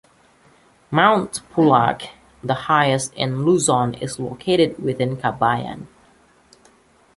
Mount Pulag, the highest in Luzon is located within Kabayan.